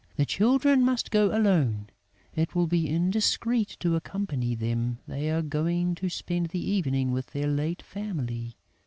"The children must go alone. It would be indiscreet to accompany them; they are going to spend the evening with their late family.